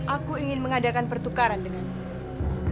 aku ingin mengadakan pertukaran denganmu